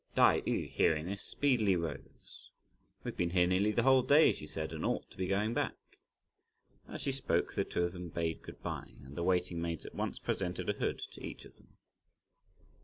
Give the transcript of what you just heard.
Tai yü hearing this, speedily rose. "We've been here nearly the whole day," she said, "and ought to be going back." As she spoke the two of them bade good bye, and the waiting maids at once presented a hood to each of them.